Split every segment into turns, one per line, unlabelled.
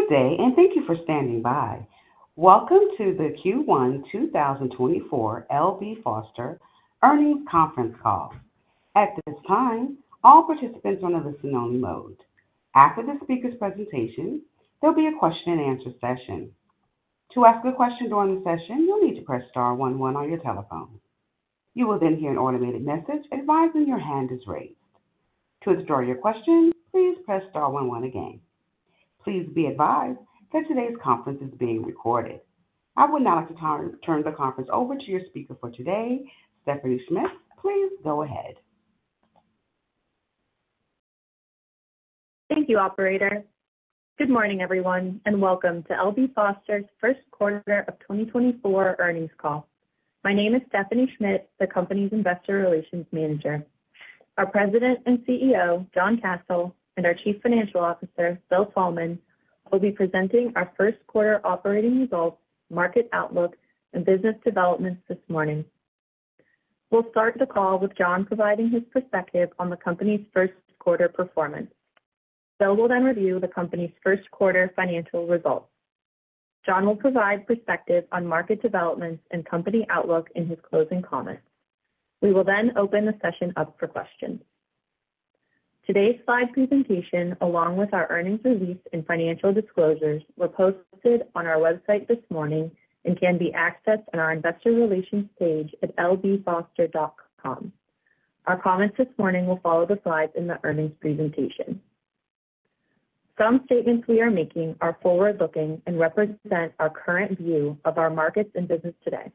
Good day, and thank you for standing by. Welcome to the Q1 2024 L.B. Foster earnings conference call. At this time, all participants are in the listen-only mode. After the speaker's presentation, there'll be a question-and-answer session. To ask a question during the session, you'll need to press star one one on your telephone. You will then hear an automated message advising your hand is raised. To withdraw your question, please press star 11 again. Please be advised that today's conference is being recorded. I would now like to turn the conference over to your speaker for today, Stephanie Schmidt. Please go ahead.
Thank you, operator. Good morning, everyone, and welcome to L.B. Foster's first quarter of 2024 earnings call. My name is Stephanie Schmidt, the company's investor relations manager. Our President and CEO, John Kasel, and our Chief Financial Officer, Bill Thalman, will be presenting our first quarter operating results, market outlook, and business developments this morning. We'll start the call with John providing his perspective on the company's first quarter performance. Bill will then review the company's first quarter financial results. John will provide perspective on market developments and company outlook in his closing comments. We will then open the session up for questions. Today's slide presentation, along with our earnings release and financial disclosures, were posted on our website this morning and can be accessed on our investor relations page at lbfoster.com. Our comments this morning will follow the slides in the earnings presentation. Some statements we are making are forward-looking and represent our current view of our markets and business today.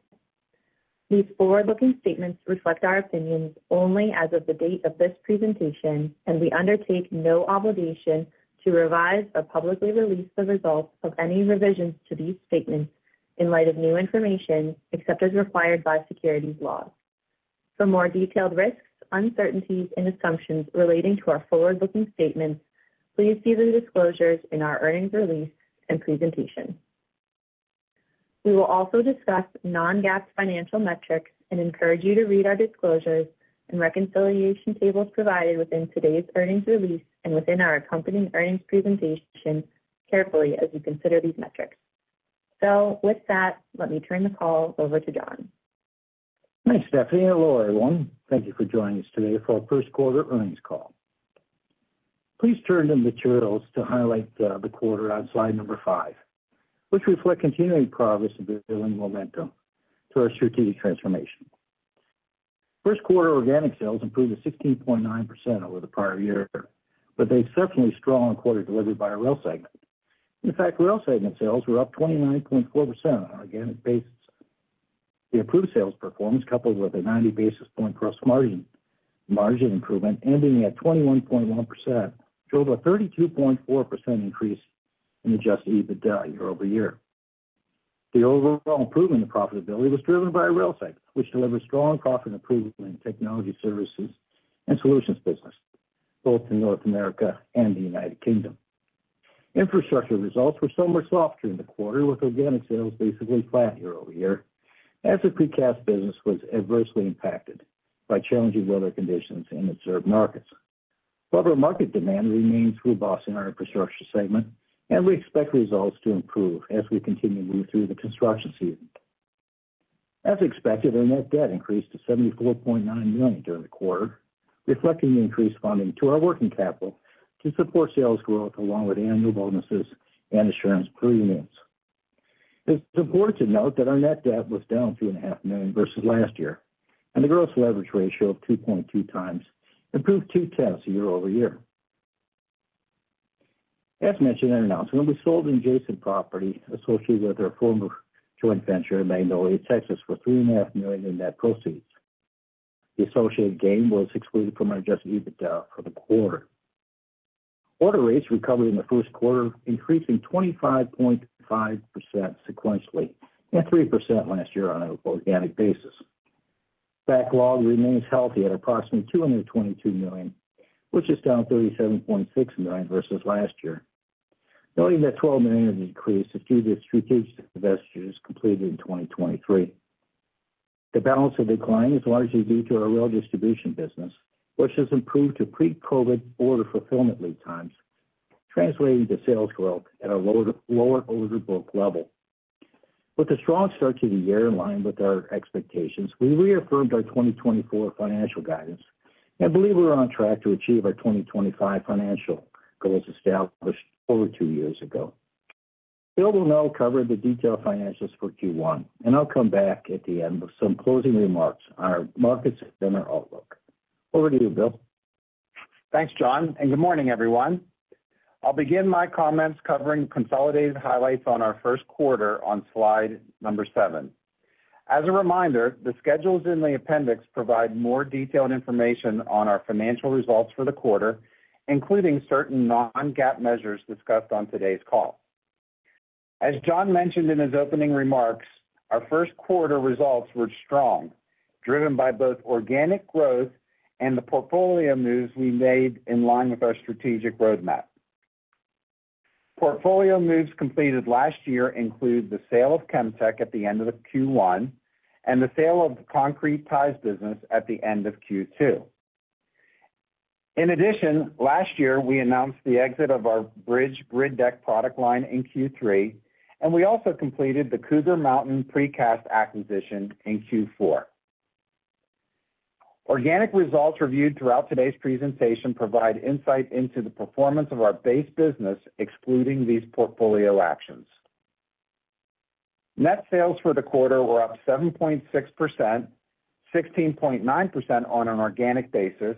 These forward-looking statements reflect our opinions only as of the date of this presentation, and we undertake no obligation to revise or publicly release the results of any revisions to these statements in light of new information except as required by securities laws. For more detailed risks, uncertainties, and assumptions relating to our forward-looking statements, please see the disclosures in our earnings release and presentation. We will also discuss non-GAAP financial metrics and encourage you to read our disclosures and reconciliation tables provided within today's earnings release and within our accompanying earnings presentation carefully as you consider these metrics. So with that, let me turn the call over to John.
Hi, Stephanie and Laura, everyone. Thank you for joining us today for our first quarter earnings call. Please turn to the materials to highlight the quarter on slide five, which reflect continuing progress and building momentum to our strategic transformation. First quarter organic sales improved by 16.9% over the prior year, but the exceptionally strong quarter delivered by rail segment. In fact, rail segment sales were up 29.4% on organic basis. The improved sales performance, coupled with a 90 basis point gross margin improvement ending at 21.1%, drove a 32.4% increase in adjusted EBITDA year-over-year. The overall improvement in profitability was driven by rail segment, which delivered strong profit improvement in technology services and solutions business, both in North America and the United Kingdom. Infrastructure results were somewhat softer in the quarter, with organic sales basically flat year-over-year as the precast business was adversely impacted by challenging weather conditions in observed markets. However, market demand remains robust in our infrastructure segment, and we expect results to improve as we continue to move through the construction season. As expected, our net debt increased to $74.9 million during the quarter, reflecting the increased funding to our working capital to support sales growth along with annual bonuses and insurance premiums. It's important to note that our net debt was down $2.5 million versus last year, and the gross leverage ratio of 2.2x improved 0.2 year-over-year. As mentioned in announcement, we sold adjacent property associated with our former joint venture in Magnolia, Texas, for $3.5 million in net proceeds. The associated gain was excluded from our Adjusted EBITDA for the quarter. Order rates recovered in the first quarter, increasing 25.5% sequentially and 3% last year on an organic basis. Backlog remains healthy at approximately $222 million, which is down $37.6 million versus last year. Noting that a $12 million decrease is due to strategic divestitures completed in 2023. The balance of decline is largely due to our rail distribution business, which has improved to pre-COVID order fulfillment lead times, translating to sales growth at a lower order book level. With a strong start to the year in line with our expectations, we reaffirmed our 2024 financial guidance and believe we're on track to achieve our 2025 financial goals established over two years ago. Bill will now cover the detailed financials for Q1, and I'll come back at the end with some closing remarks on our markets and our outlook. Over to you, Bill.
Thanks, John, and good morning, everyone. I'll begin my comments covering consolidated highlights on our first quarter on slide number seven. As a reminder, the schedules in the appendix provide more detailed information on our financial results for the quarter, including certain non-GAAP measures discussed on today's call. As John mentioned in his opening remarks, our first quarter results were strong, driven by both organic growth and the portfolio moves we made in line with our strategic roadmap. Portfolio moves completed last year include the sale of Chemtec at the end of Q1 and the sale of concrete ties business at the end of Q2. In addition, last year we announced the exit of our Bridge Grid Deck product line in Q3, and we also completed the Cougar Mountain Precast acquisition in Q4. Organic results reviewed throughout today's presentation provide insight into the performance of our base business, excluding these portfolio actions. Net sales for the quarter were up 7.6%, 16.9% on an organic basis,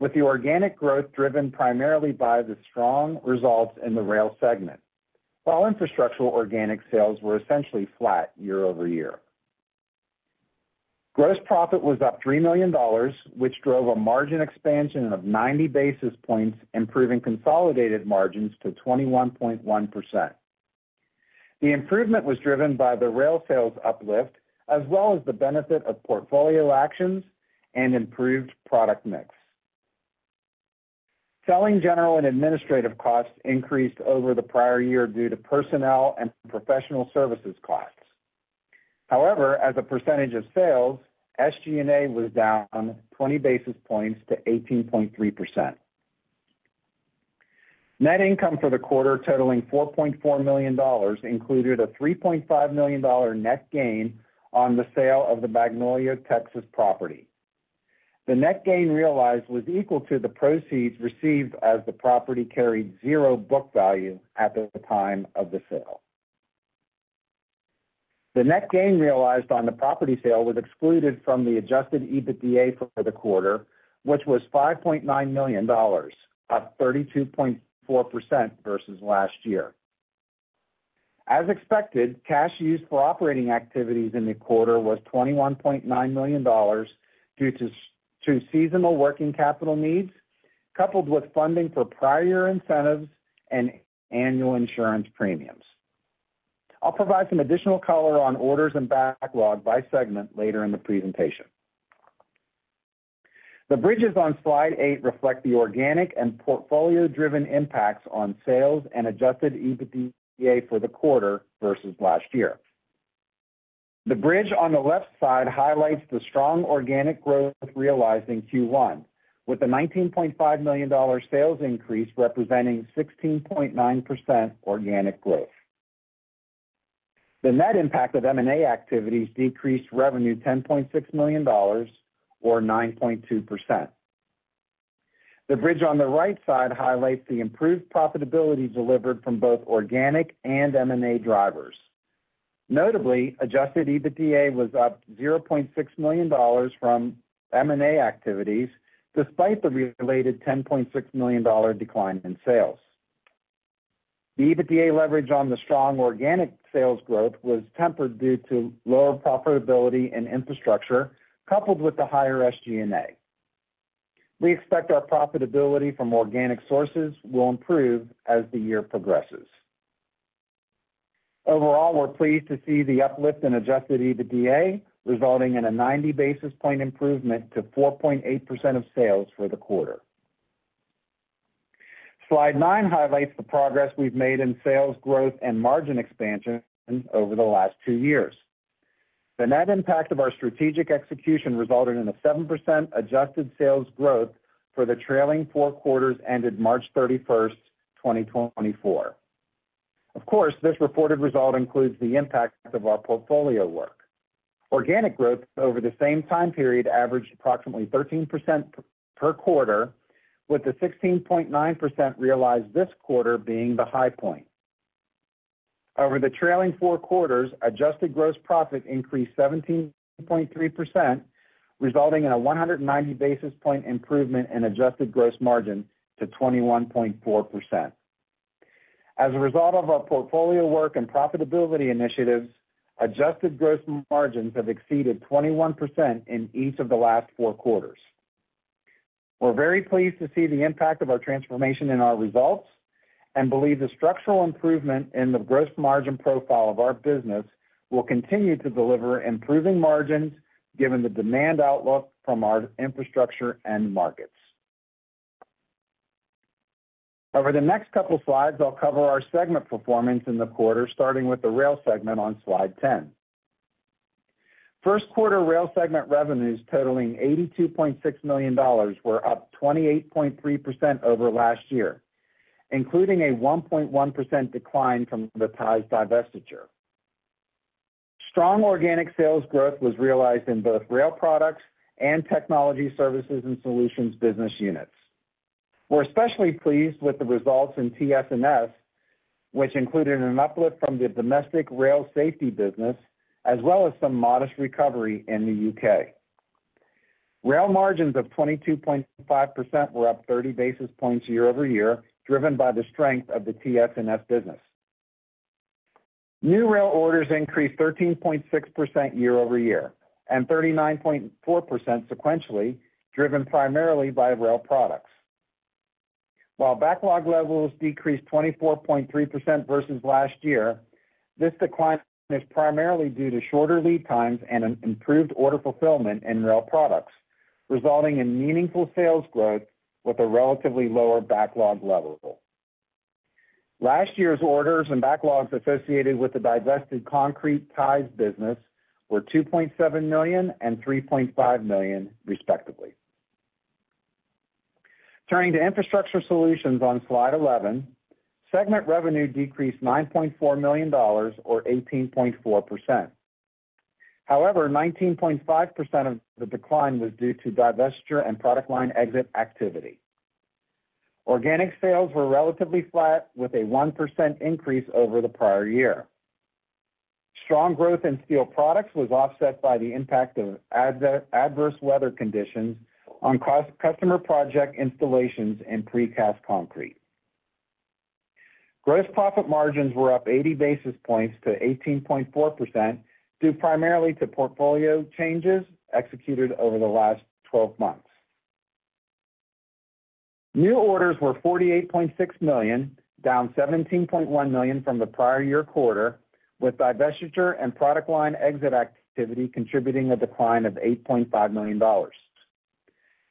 with the organic growth driven primarily by the strong results in the rail segment, while infrastructural organic sales were essentially flat year-over-year. Gross profit was up $3 million, which drove a margin expansion of 90 basis points, improving consolidated margins to 21.1%. The improvement was driven by the rail sales uplift, as well as the benefit of portfolio actions and improved product mix. Selling general and administrative costs increased over the prior year due to personnel and professional services costs. However, as a percentage of sales, SG&A was down 20 basis points to 18.3%. Net income for the quarter totaling $4.4 million included a $3.5 million net gain on the sale of the Magnolia, Texas, property. The net gain realized was equal to the proceeds received as the property carried zero book value at the time of the sale. The net gain realized on the property sale was excluded from the Adjusted EBITDA for the quarter, which was $5.9 million, up 32.4% versus last year. As expected, cash used for operating activities in the quarter was $21.9 million due to seasonal working capital needs, coupled with funding for prior incentives and annual insurance premiums. I'll provide some additional color on orders and backlog by segment later in the presentation. The bridges on slide eight reflect the organic and portfolio-driven impacts on sales and Adjusted EBITDA for the quarter versus last year. The bridge on the left side highlights the strong organic growth realized in Q1, with the $19.5 million sales increase representing 16.9% organic growth. The net impact of M&A activities decreased revenue $10.6 million, or 9.2%. The bridge on the right side highlights the improved profitability delivered from both organic and M&A drivers. Notably, Adjusted EBITDA was up $0.6 million from M&A activities despite the related $10.6 million decline in sales. The EBITDA leverage on the strong organic sales growth was tempered due to lower profitability and infrastructure, coupled with the higher SG&A. We expect our profitability from organic sources will improve as the year progresses. Overall, we're pleased to see the uplift in Adjusted EBITDA resulting in a 90 basis point improvement to 4.8% of sales for the quarter. Slide nine highlights the progress we've made in sales growth and margin expansion over the last two years. The net impact of our strategic execution resulted in a 7% adjusted sales growth for the trailing four quarters ended March 31st, 2024. Of course, this reported result includes the impact of our portfolio work. Organic growth over the same time period averaged approximately 13% per quarter, with the 16.9% realized this quarter being the high point. Over the trailing four quarters, adjusted gross profit increased 17.3%, resulting in a 190 basis point improvement in adjusted gross margin to 21.4%. As a result of our portfolio work and profitability initiatives, adjusted gross margins have exceeded 21% in each of the last four quarters. We're very pleased to see the impact of our transformation in our results and believe the structural improvement in the gross margin profile of our business will continue to deliver improving margins given the demand outlook from our infrastructure and markets. Over the next couple of slides, I'll cover our segment performance in the quarter, starting with the rail segment on slide 10. First quarter rail segment revenues totaling $82.6 million were up 28.3% over last year, including a 1.1% decline from the ties divestiture. Strong organic sales growth was realized in both rail products and technology services and solutions business units. We're especially pleased with the results in TS&S, which included an uplift from the domestic rail safety business as well as some modest recovery in the UK. Rail margins of 22.5% were up 30 basis points year-over-year, driven by the strength of the TS&S business. New rail orders increased 13.6% year-over-year and 39.4% sequentially, driven primarily by rail products. While backlog levels decreased 24.3% versus last year, this decline is primarily due to shorter lead times and improved order fulfillment in rail products, resulting in meaningful sales growth with a relatively lower backlog level. Last year's orders and backlogs associated with the divested concrete ties business were $2.7 million and $3.5 million, respectively. Turning to infrastructure solutions on slide 11, segment revenue decreased $9.4 million, or 18.4%. However, 19.5% of the decline was due to divestiture and product line exit activity. Organic sales were relatively flat, with a 1% increase over the prior year. Strong growth in steel products was offset by the impact of adverse weather conditions on customer project installations and precast concrete. Gross profit margins were up 80 basis points to 18.4% due primarily to portfolio changes executed over the last 12 months. New orders were $48.6 million, down $17.1 million from the prior year quarter, with divestiture and product line exit activity contributing a decline of $8.5 million.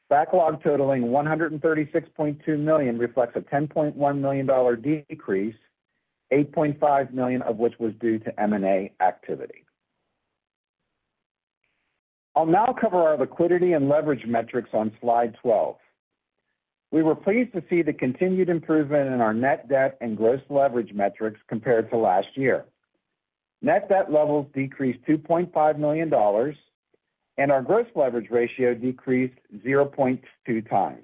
Backlog totaling $136.2 million reflects a $10.1 million decrease, $8.5 million of which was due to M&A activity. I'll now cover our liquidity and leverage metrics on slide 12. We were pleased to see the continued improvement in our net debt and gross leverage metrics compared to last year. Net debt levels decreased $2.5 million, and our gross leverage ratio decreased 0.2x.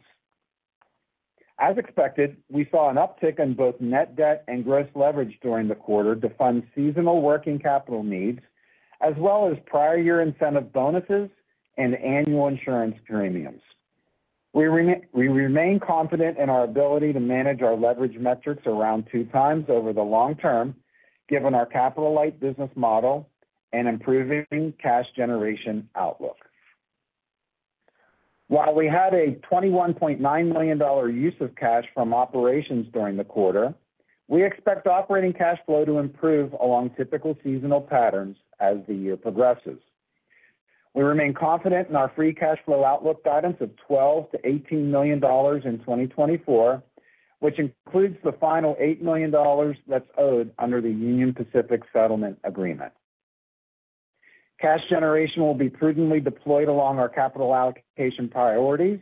As expected, we saw an uptick in both net debt and gross leverage during the quarter to fund seasonal working capital needs, as well as prior year incentive bonuses and annual insurance premiums. We remain confident in our ability to manage our leverage metrics around two times over the long term, given our Capital Light Business Model and improving cash generation outlook. While we had a $21.9 million use of cash from operations during the quarter, we expect operating cash flow to improve along typical seasonal patterns as the year progresses. We remain confident in our free cash flow outlook guidance of $12 million-$18 million in 2024, which includes the final $8 million that's owed under the Union Pacific Settlement Agreement. Cash generation will be prudently deployed along our capital allocation priorities,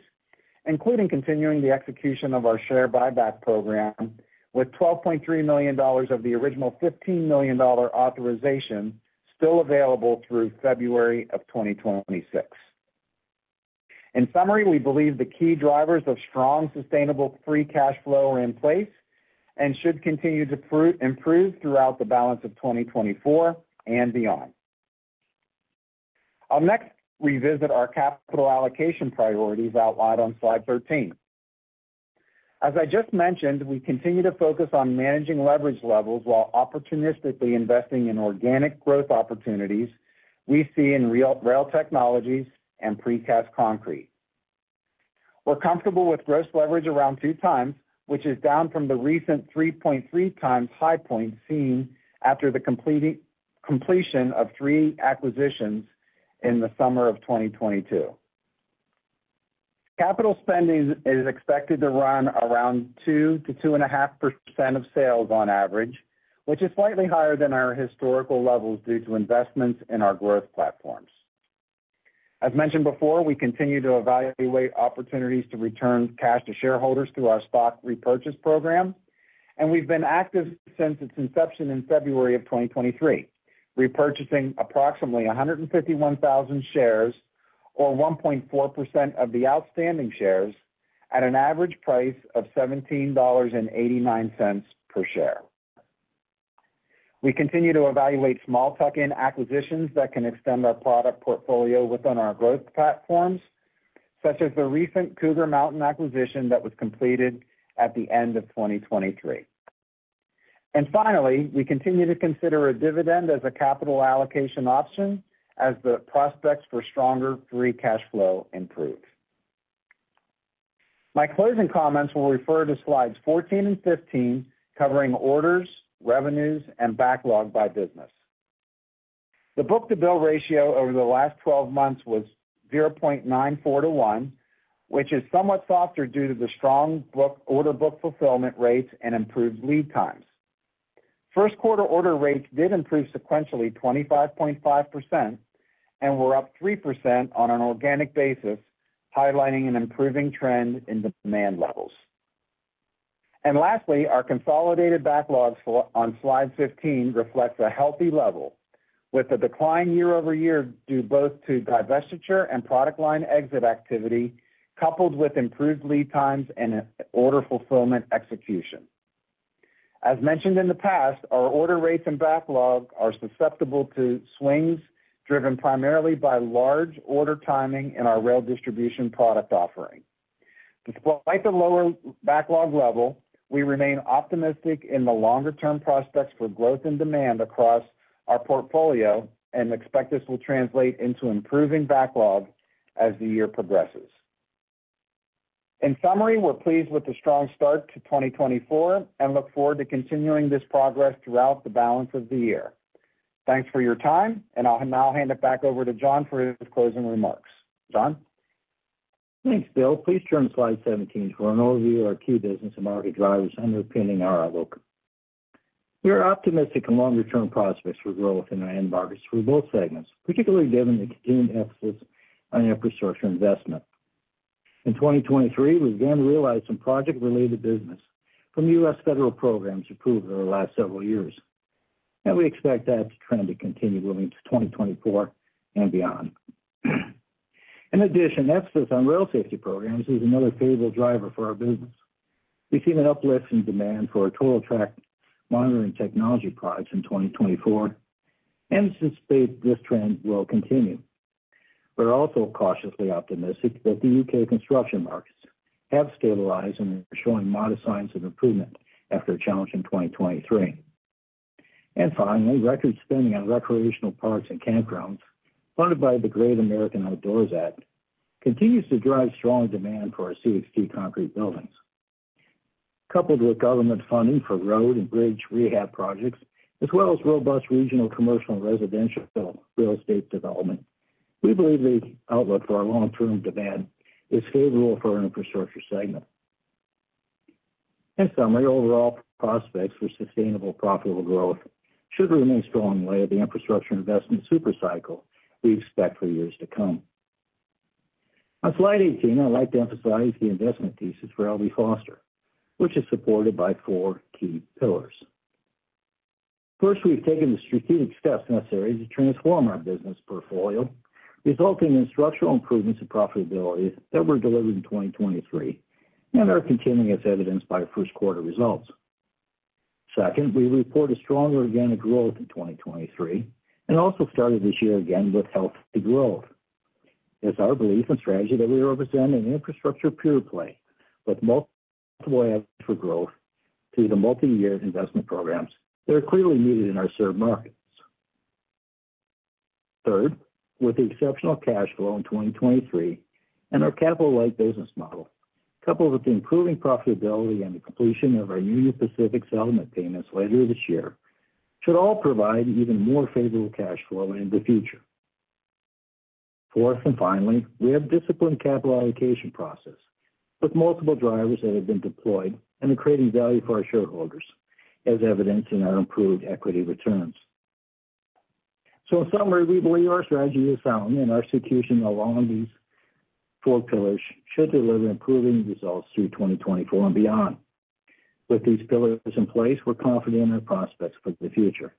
including continuing the execution of our share buyback program, with $12.3 million of the original $15 million authorization still available through February of 2026. In summary, we believe the key drivers of strong, sustainable free cash flow are in place and should continue to improve throughout the balance of 2024 and beyond. I'll next revisit our capital allocation priorities outlined on slide 13. As I just mentioned, we continue to focus on managing leverage levels while opportunistically investing in organic growth opportunities we see in rail technologies and precast concrete. We're comfortable with gross leverage around 2x, which is down from the recent 3.3x high point seen after the completion of three acquisitions in the summer of 2022. Capital spending is expected to run around 2%-2.5% of sales on average, which is slightly higher than our historical levels due to investments in our growth platforms. As mentioned before, we continue to evaluate opportunities to return cash to shareholders through our stock repurchase program, and we've been active since its inception in February of 2023, repurchasing approximately 151,000 shares, or 1.4% of the outstanding shares, at an average price of $17.89 per share. We continue to evaluate small tuck-in acquisitions that can extend our product portfolio within our growth platforms, such as the recent Cougar Mountain acquisition that was completed at the end of 2023. Finally, we continue to consider a dividend as a capital allocation option as the prospects for stronger free cash flow improve. My closing comments will refer to slides 14 and 15, covering orders, revenues, and backlog by business. The book-to-bill ratio over the last 12 months was 0.94-1, which is somewhat softer due to the strong order book fulfillment rates and improved lead times. First quarter order rates did improve sequentially 25.5% and were up 3% on an organic basis, highlighting an improving trend in demand levels. Lastly, our consolidated backlogs on slide 15 reflect a healthy level, with a decline year-over-year due both to divestiture and product line exit activity, coupled with improved lead times and order fulfillment execution. As mentioned in the past, our order rates and backlog are susceptible to swings driven primarily by large order timing in our rail distribution product offering. Despite the lower backlog level, we remain optimistic in the longer-term prospects for growth in demand across our portfolio, and expect this will translate into improving backlog as the year progresses. In summary, we're pleased with the strong start to 2024 and look forward to continuing this progress throughout the balance of the year. Thanks for your time, and I'll now hand it back over to John for his closing remarks. John?
Thanks, Bill. Please turn to slide 17 for an overview of our key business and market drivers underpinning our outlook. We are optimistic in longer-term prospects for growth in our end markets for both segments, particularly given the continued emphasis on infrastructure investment. In 2023, we began to realize some project-related business from U.S. federal programs approved over the last several years, and we expect that trend to continue moving to 2024 and beyond. In addition, emphasis on rail safety programs is another favorable driver for our business. We've seen an uplift in demand for our Total Track Monitoring technology products in 2024, and anticipate this trend will continue. We're also cautiously optimistic that the U.K. construction markets have stabilized and are showing modest signs of improvement after a challenging 2023. And finally, record spending on recreational parks and campgrounds funded by the Great American Outdoors Act continues to drive strong demand for our CXT concrete buildings. Coupled with government funding for road and bridge rehab projects, as well as robust regional commercial and residential real estate development, we believe the outlook for our long-term demand is favorable for our infrastructure segment. In summary, overall prospects for sustainable, profitable growth should remain strongly laid at the infrastructure investment supercycle we expect for years to come. On slide 18, I'd like to emphasize the investment thesis for L.B. Foster, which is supported by four key pillars. First, we've taken the strategic steps necessary to transform our business portfolio, resulting in structural improvements in profitability that were delivered in 2023 and are continuing as evidenced by our first quarter results. Second, we report a strong organic growth in 2023 and also started this year again with healthy growth. It's our belief and strategy that we represent an infrastructure pure play with multiple avenues for growth through the multi-year investment programs that are clearly needed in our served markets. Third, with the exceptional cash flow in 2023 and our Capital Light Business Model, coupled with the improving profitability and the completion of our Union Pacific Settlement payments later this year, should all provide even more favorable cash flow into the future. Fourth and finally, we have a disciplined capital allocation process with multiple drivers that have been deployed and are creating value for our shareholders, as evidenced in our improved equity returns. So in summary, we believe our strategy is sound, and our execution along these four pillars should deliver improving results through 2024 and beyond. With these pillars in place, we're confident in our prospects for the future.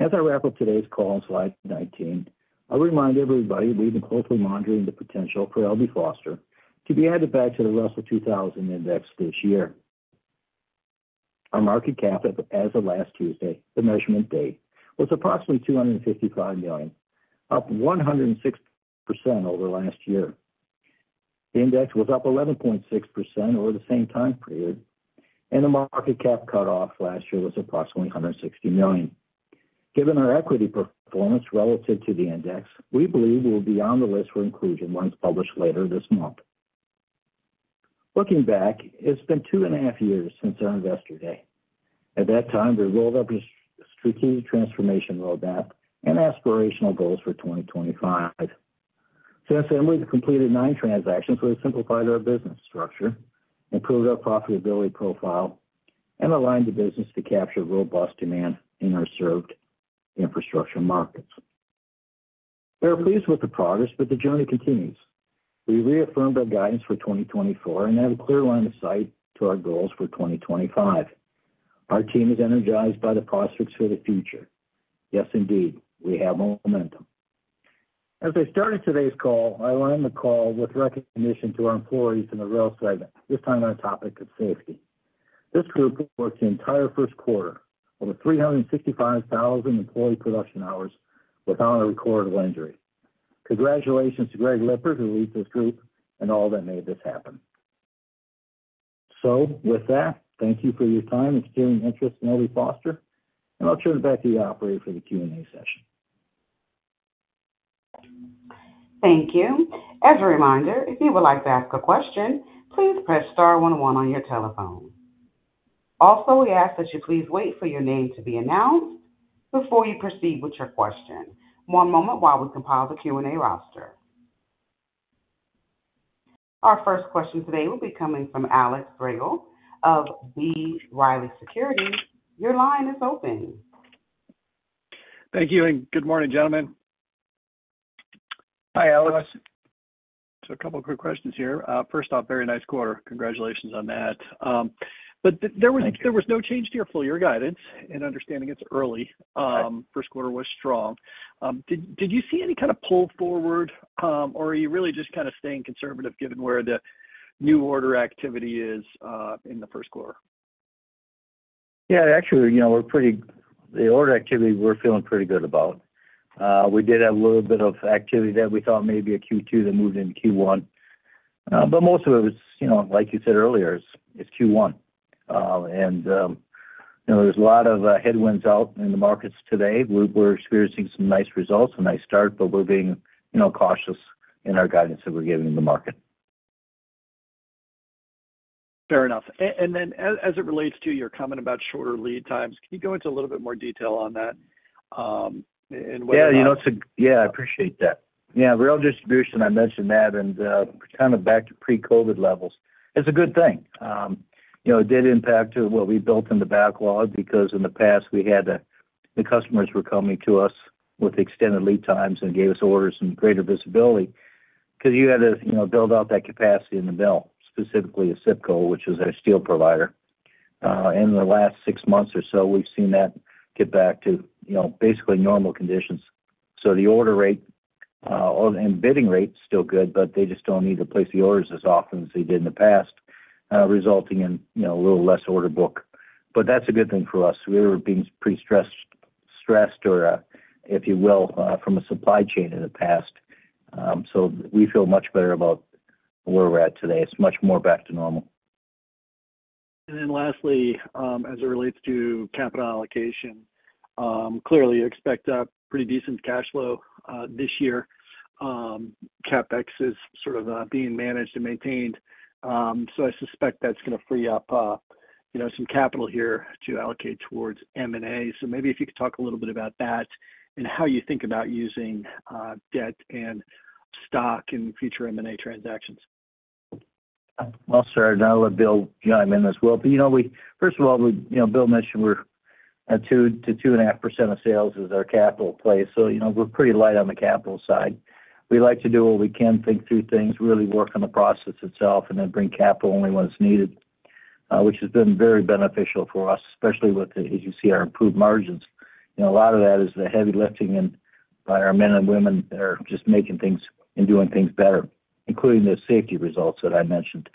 As I wrap up today's call on slide 19, I'll remind everybody we've been closely monitoring the potential for L.B. Foster to be added back to the Russell 2000 index this year. Our market cap as of last Tuesday, the measurement date, was approximately $255 million, up 106% over last year. The index was up 11.6% over the same time period, and the market cap cutoff last year was approximately $160 million. Given our equity performance relative to the index, we believe we'll be on the list for inclusion once published later this month. Looking back, it's been two and a half years since our investor day. At that time, we rolled out a strategic transformation roadmap and aspirational goals for 2025. Since then, we've completed nine transactions that have simplified our business structure, improved our profitability profile, and aligned the business to capture robust demand in our served infrastructure markets. We are pleased with the progress, but the journey continues. We reaffirmed our guidance for 2024 and have a clear line of sight to our goals for 2025. Our team is energized by the prospects for the future. Yes, indeed, we have momentum. As I started today's call, I aligned the call with recognition to our employees in the rail segment, this time on a topic of safety. This group worked the entire first quarter over 365,000 employee production hours without a recorded injury. Congratulations to Greg Lippard, who leads this group, and all that made this happen. So with that, thank you for your time expressing interest in L.B. Foster, and I'll turn it back to the operator for the Q&A session.
Thank you. As a reminder, if you would like to ask a question, please press star one one on your telephone. Also, we ask that you please wait for your name to be announced before you proceed with your question. One moment while we compile the Q&A roster. Our first question today will be coming from Alex Rygiel of B. Riley Securities. Your line is open.
Thank you, and good morning, gentlemen.
Hi, Alex.
So a couple of quick questions here. First off, very nice quarter. Congratulations on that. But there was no change to your full year guidance, and understanding it's early, first quarter was strong. Did you see any kind of pull forward, or are you really just kind of staying conservative given where the new order activity is in the first quarter?
Yeah, actually, we're feeling pretty good about the order activity. We did have a little bit of activity that we thought maybe a Q2 that moved into Q1, but most of it was, like you said earlier, it's Q1. And there's a lot of headwinds out in the markets today. We're experiencing some nice results, a nice start, but we're being cautious in our guidance that we're giving to the market.
Fair enough. And then as it relates to your comment about shorter lead times, can you go into a little bit more detail on that and whether that?
Yeah, I appreciate that. Yeah, Rail Distribution, I mentioned that, and kind of back to pre-COVID levels, it's a good thing. It did impact what we built in the backlog because in the past, the customers were coming to us with extended lead times and gave us orders and greater visibility because you had to build out that capacity in the mill, specifically ACIPCO, which is our steel provider. In the last six months or so, we've seen that get back to basically normal conditions. So the order rate and bidding rate is still good, but they just don't need to place the orders as often as they did in the past, resulting in a little less order book. But that's a good thing for us. We were being pretty stressed, if you will, from a supply chain in the past. We feel much better about where we're at today. It's much more back to normal.
Then lastly, as it relates to capital allocation, clearly, you expect pretty decent cash flow this year. CapEx is sort of being managed and maintained, so I suspect that's going to free up some capital here to allocate towards M&A. Maybe if you could talk a little bit about that and how you think about using debt and stock in future M&A transactions.
Well, sure. And I'll let Bill join in as well. But first of all, Bill mentioned we're at 2%-2.5% of sales is our capital play, so we're pretty light on the capital side. We like to do what we can, think through things, really work on the process itself, and then bring capital only when it's needed, which has been very beneficial for us, especially with, as you see, our improved margins. A lot of that is the heavy lifting by our men and women that are just making things and doing things better, including the safety results that I mentioned.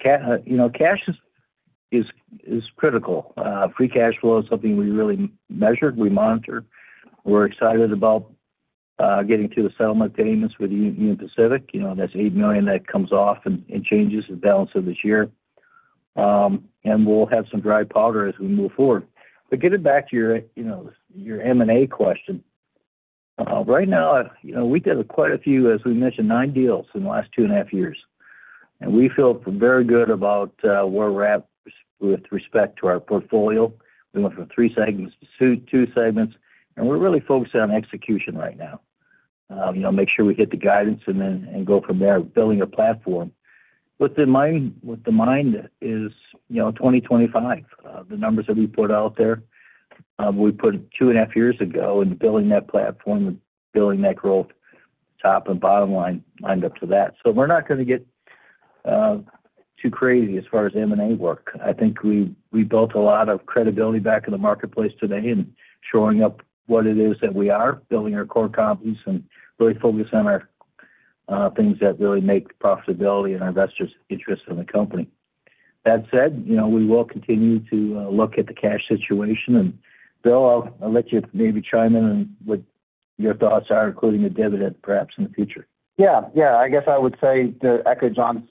Cash is critical. Free cash flow is something we really measure. We monitor. We're excited about getting to the settlement payments with Union Pacific. That's $8 million that comes off and changes the balance of this year. And we'll have some dry powder as we move forward. But getting back to your M&A question, right now, we did quite a few, as we mentioned, nine deals in the last two and a half years, and we feel very good about where we're at with respect to our portfolio. We went from three segments to two segments, and we're really focused on execution right now, make sure we hit the guidance, and then go from there, building a platform. With that in mind, 2025, the numbers that we put out there. We put it two and a half years ago, and building that platform, building that growth, top and bottom line, lined up to that. So we're not going to get too crazy as far as M&A work. I think we built a lot of credibility back in the marketplace today and showing up what it is that we are, building our core companies and really focusing on our things that really make profitability and our investors' interest in the company. That said, we will continue to look at the cash situation. And Bill, I'll let you maybe chime in with what your thoughts are, including a dividend, perhaps, in the future.
Yeah. Yeah. I guess I would say to echo John's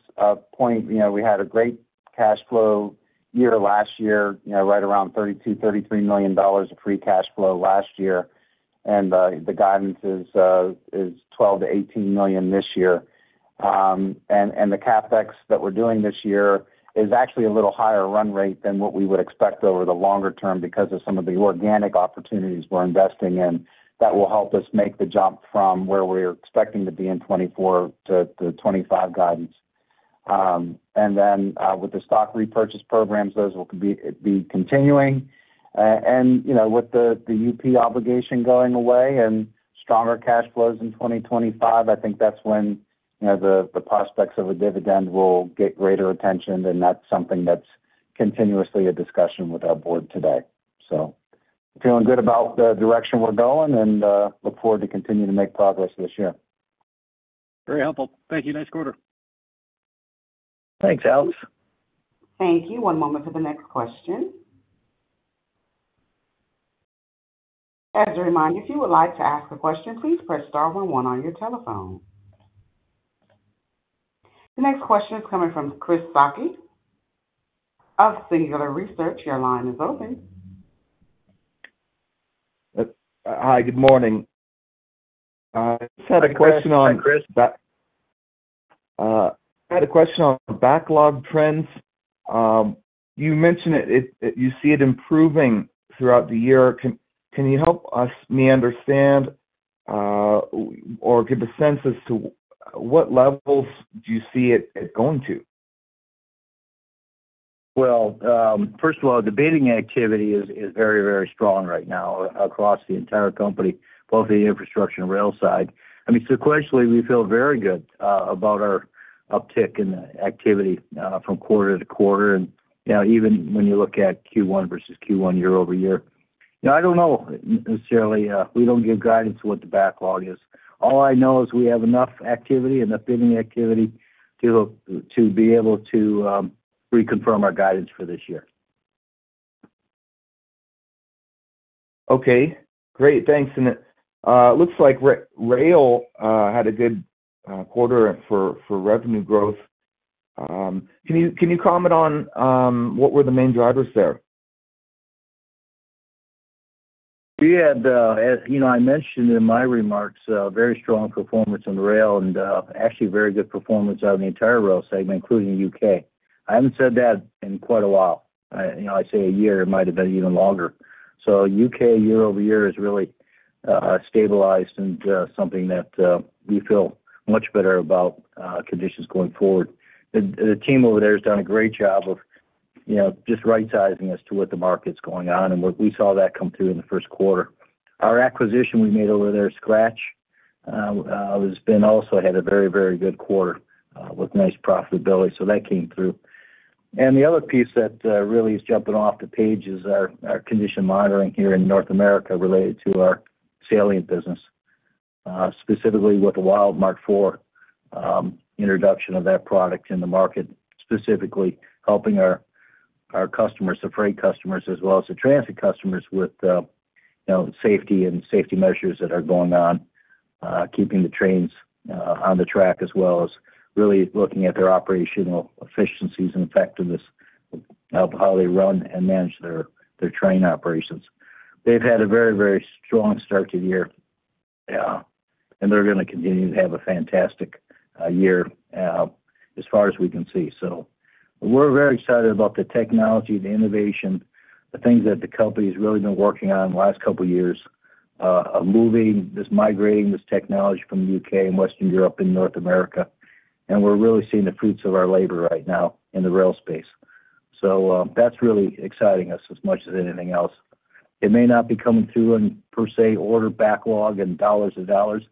point, we had a great cash flow year last year, right around $32 million-$33 million of free cash flow last year, and the guidance is $12 million-$18 million this year. And the CapEx that we're doing this year is actually a little higher run rate than what we would expect over the longer term because of some of the organic opportunities we're investing in that will help us make the jump from where we're expecting to be in 2024 to the 2025 guidance. And then with the stock repurchase programs, those will be continuing. And with the UP obligation going away and stronger cash flows in 2025, I think that's when the prospects of a dividend will get greater attention, and that's something that's continuously a discussion with our board today. Feeling good about the direction we're going, and look forward to continuing to make progress this year.
Very helpful. Thank you. Nice quarter.
Thanks, Alex.
Thank you. One moment for the next question. As a reminder, if you would like to ask a question, please press star one one on your telephone. The next question is coming from Chris Sakai of Singular Research. Your line is open.
Hi. Good morning. I had a question on.
Hi, Chris.
I had a question on backlog trends. You mentioned you see it improving throughout the year. Can you help me understand or give a sense as to what levels do you see it going to?
Well, first of all, the bidding activity is very, very strong right now across the entire company, both the infrastructure and rail side. I mean, sequentially, we feel very good about our uptick in the activity from quarter-to-quarter, and even when you look at Q1 versus Q1 year-over-year. I don't know necessarily. We don't give guidance to what the backlog is. All I know is we have enough activity, enough bidding activity to be able to reconfirm our guidance for this year.
Okay. Great. Thanks. And it looks like rail had a good quarter for revenue growth. Can you comment on what were the main drivers there?
We had, as I mentioned in my remarks, very strong performance on the rail and actually very good performance out of the entire rail segment, including the U.K. I haven't said that in quite a while. I say a year. It might have been even longer. So U.K., year over year, is really stabilized and something that we feel much better about conditions going forward. The team over there has done a great job of just right-sizing us to what the market's going on, and we saw that come through in the first quarter. Our acquisition we made over there, Skratch, has also had a very, very good quarter with nice profitability, so that came through. And the other piece that really is jumping off the page is our condition monitoring here in North America related to our Salient business, specifically with the WILD IV introduction of that product in the market, specifically helping our customers, the freight customers as well as the transit customers, with safety and safety measures that are going on, keeping the trains on the track as well as really looking at their operational efficiencies and effectiveness of how they run and manage their train operations. They've had a very, very strong start to the year, and they're going to continue to have a fantastic year as far as we can see. So we're very excited about the technology, the innovation, the things that the company's really been working on the last couple of years, moving, just migrating this technology from the U.K. and Western Europe and North America. And we're really seeing the fruits of our labor right now in the rail space. So that's really exciting us as much as anything else. It may not be coming through on, per se, order backlog and dollars to dollars,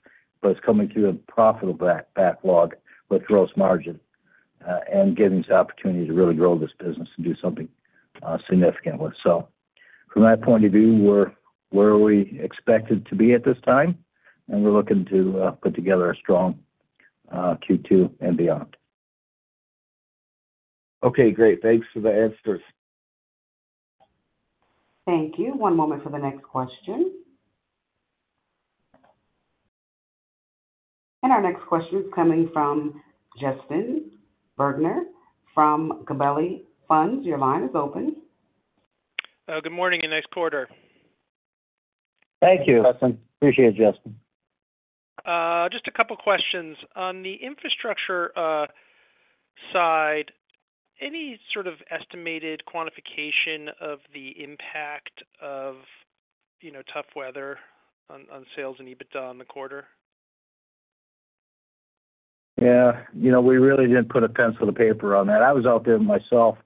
but it's coming through a profitable backlog with gross margin and giving us the opportunity to really grow this business and do something significant with. So from that point of view, where are we expected to be at this time? And we're looking to put together a strong Q2 and beyond.
Okay. Great. Thanks for the answers.
Thank you. One moment for the next question. Our next question is coming from Justin Bergner from Gabelli Funds. Your line is open.
Good morning. Nice quarter.
Thank you, Justin. Appreciate it, Justin.
Just a couple of questions. On the infrastructure side, any sort of estimated quantification of the impact of tough weather on sales and EBITDA on the quarter?
Yeah. We really didn't put a pencil to paper on that. I was out there myself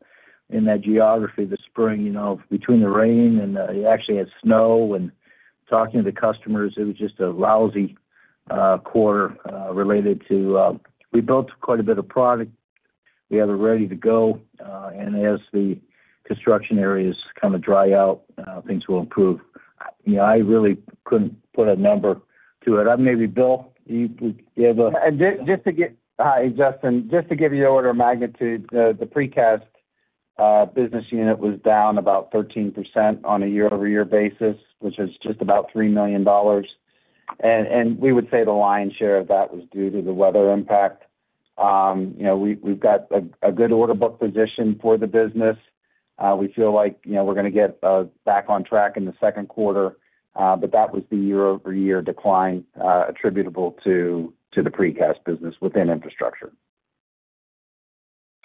in that geography this spring between the rain and actually had snow. And talking to the customers, it was just a lousy quarter related to we built quite a bit of product. We have it ready to go. And as the construction areas kind of dry out, things will improve. I really couldn't put a number to it. Maybe Bill, do you have a?
Just to say hi, Justin. Just to give you the order of magnitude, the Precast business unit was down about 13% on a year-over-year basis, which is just about $3 million. We would say the lion's share of that was due to the weather impact. We've got a good order book position for the business. We feel like we're going to get back on track in the second quarter, but that was the year-over-year decline attributable to the Precast business within infrastructure.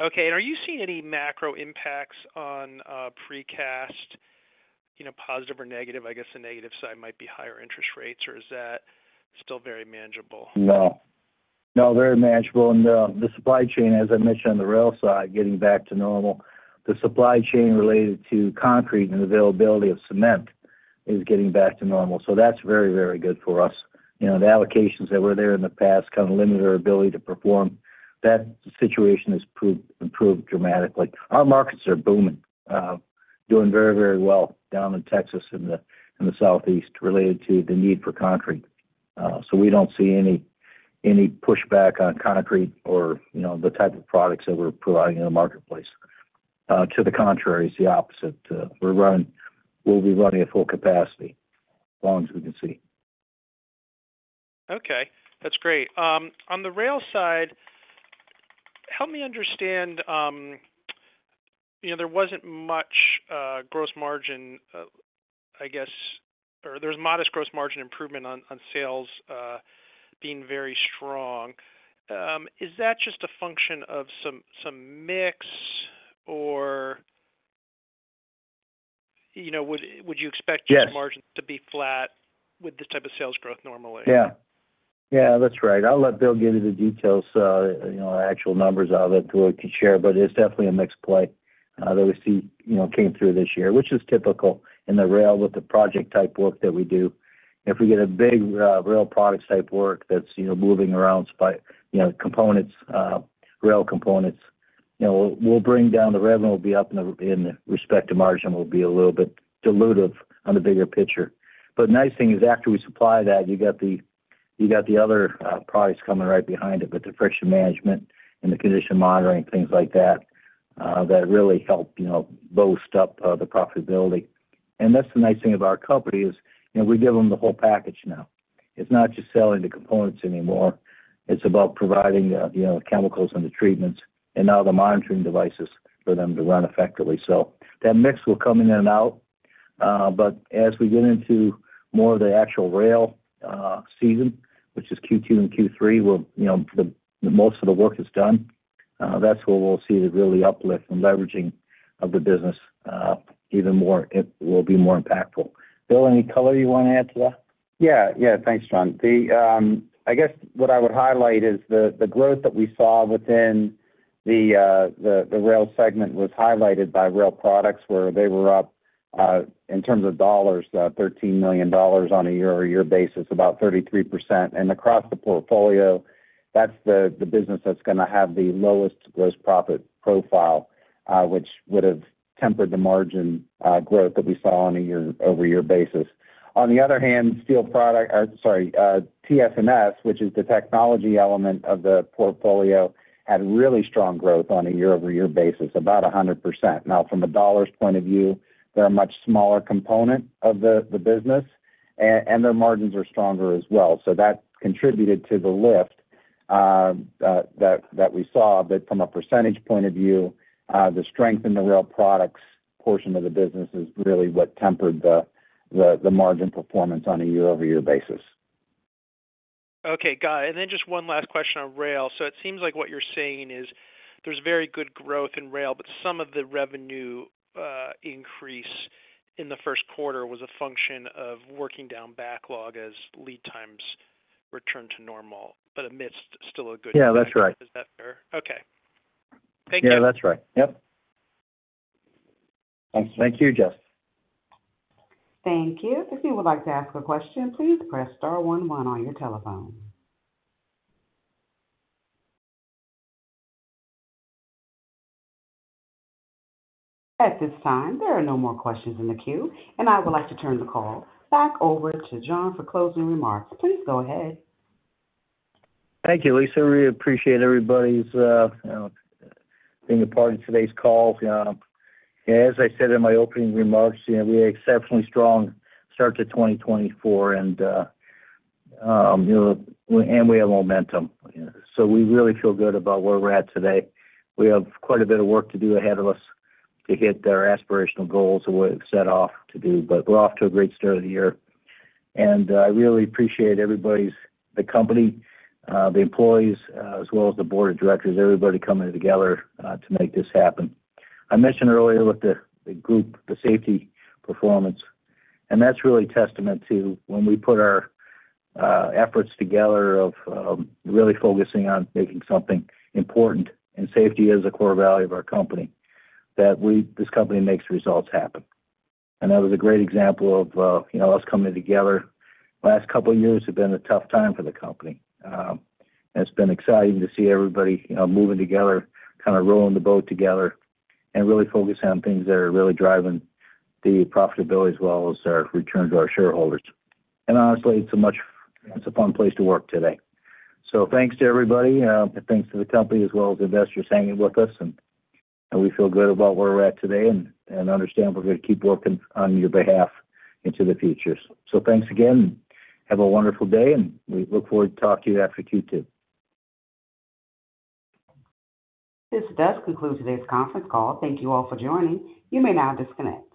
Okay. And are you seeing any macro impacts on Precast, positive or negative? I guess the negative side might be higher interest rates, or is that still very manageable?
No. No, very manageable. And the supply chain, as I mentioned, on the rail side, getting back to normal. The supply chain related to concrete and availability of cement is getting back to normal. So that's very, very good for us. The allocations that were there in the past kind of limited our ability to perform. That situation has improved dramatically. Our markets are booming, doing very, very well down in Texas and the Southeast related to the need for concrete. So we don't see any pushback on concrete or the type of products that we're providing in the marketplace. To the contrary, it's the opposite. We'll be running at full capacity as long as we can see.
Okay. That's great. On the rail side, help me understand. There wasn't much gross margin, I guess, or there was modest gross margin improvement on sales being very strong. Is that just a function of some mix, or would you expect just margins to be flat with this type of sales growth normally?
Yeah. Yeah. That's right. I'll let Bill give you the details, actual numbers of it, who I can share. But it's definitely a mixed play that we see came through this year, which is typical in the rail with the project-type work that we do. If we get a big rail products-type work that's moving around, rail components, we'll bring down the revenue. It'll be up in respect to margin. It'll be a little bit dilutive on the bigger picture. But the nice thing is after we supply that, you got the other products coming right behind it with the friction management and the condition monitoring, things like that, that really help boost up the profitability. And that's the nice thing about our company is we give them the whole package now. It's not just selling the components anymore. It's about providing the chemicals and the treatments and all the monitoring devices for them to run effectively. So that mix will come in and out. But as we get into more of the actual rail season, which is Q2 and Q3, where most of the work is done, that's where we'll see the real uplift and leveraging of the business, even more will be more impactful. Bill, any color you want to add to that?
Yeah. Yeah. Thanks, John. I guess what I would highlight is the growth that we saw within the rail segment was highlighted by Rail Products, where they were up in terms of dollars, $13 million on a year-over-year basis, about 33%. And across the portfolio, that's the business that's going to have the lowest gross profit profile, which would have tempered the margin growth that we saw on a year-over-year basis. On the other hand, steel product or sorry, TS&S, which is the technology element of the portfolio, had really strong growth on a year-over-year basis, about 100%. Now, from a dollars point of view, they're a much smaller component of the business, and their margins are stronger as well. So that contributed to the lift that we saw. But from a percentage point of view, the strength in the rail products portion of the business is really what tempered the margin performance on a year-over-year basis.
Okay. Got it. Then just one last question on rail. It seems like what you're saying is there's very good growth in rail, but some of the revenue increase in the first quarter was a function of working down backlog as lead times returned to normal, but amidst still a good growth.
Yeah. That's right.
Is that fair? Okay. Thank you.
Yeah. That's right. Yep. Thank you, Justin.
Thank you. If you would like to ask a question, please press star one one on your telephone. At this time, there are no more questions in the queue, and I would like to turn the call back over to John for closing remarks. Please go ahead.
Thank you, Lisa. Really appreciate everybody's being a part of today's call. As I said in my opening remarks, we had an exceptionally strong start to 2024, and we have momentum. So we really feel good about where we're at today. We have quite a bit of work to do ahead of us to hit our aspirational goals that we set off to do, but we're off to a great start of the year. And I really appreciate the company, the employees, as well as the board of directors, everybody coming together to make this happen. I mentioned earlier with the group, the safety performance, and that's really testament to when we put our efforts together of really focusing on making something important - and safety is a core value of our company - that this company makes results happen. And that was a great example of us coming together. The last couple of years have been a tough time for the company. It's been exciting to see everybody moving together, kind of rowing the boat together, and really focusing on things that are really driving the profitability as well as our return to our shareholders. And honestly, it's a fun place to work today. So thanks to everybody, and thanks to the company as well as investors hanging with us. And we feel good about where we're at today and understand we're going to keep working on your behalf into the future. So thanks again, and have a wonderful day. And we look forward to talking to you after Q2.
This does conclude today's conference call. Thank you all for joining. You may now disconnect.